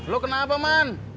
lu kenapa man